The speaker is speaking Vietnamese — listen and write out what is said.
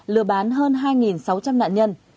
lừa bán hơn hai sáu trăm linh nạn nhân